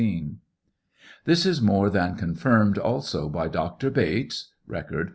This is more that confirmed also by Dr. Bates. (Record, p.